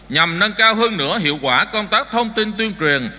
nhằm nâng cao hơn nữa hiệu quả công tác thông tin tuyên truyền